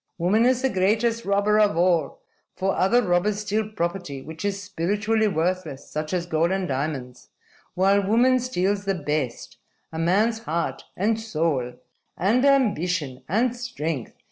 "'Woman is the greatest robber of all. For other robbers steal property which is spiritually worthless, such as gold and diamonds; while woman steals the best a man's heart, and soul, and ambition, and strength.'